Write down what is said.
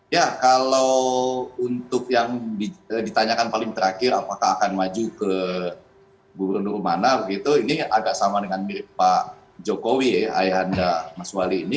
ya kalau untuk yang ditanyakan paling terakhir apakah akan maju ke gubernur mana begitu ini agak sama dengan mirip pak jokowi ya ayah anda mas wali ini